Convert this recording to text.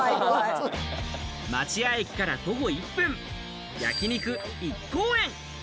町屋駅から徒歩１分、焼き肉、一幸園。